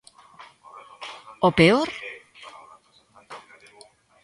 O peor?